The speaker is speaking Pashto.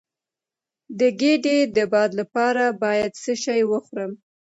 د ګیډې د باد لپاره باید څه شی وخورم؟